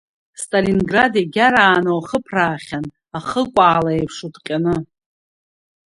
Сталинград егьарааны уахыԥраахьан, ахыкәалаа еиԥш уҭҟьаны!